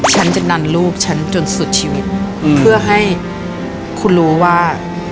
ฉันจะดันลูกฉันจนสุดชีวิตเพื่อให้คุณรู้ว่า